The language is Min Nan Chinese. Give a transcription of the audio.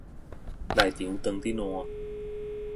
內場當佇爛